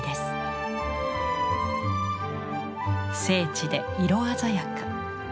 精緻で色鮮やか。